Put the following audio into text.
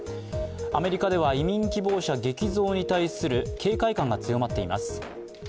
アメリカでは移民希望者激増に対する警戒感が強まっています。